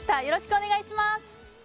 よろしくお願いします！